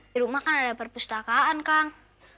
di rumah kan ada perpustakaan kang